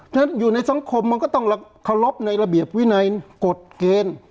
ฉะนั้นอยู่ในสังคมมันก็ต้องเคารพในระเบียบวินัยกฎเกณฑ์